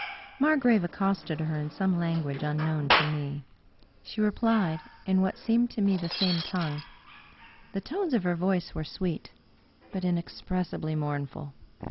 Margrave accosted her in some language unknown to me. She replied in what seemed to me the same tongue. The tones of her voice were sweet, but inexpressibly mourn ful.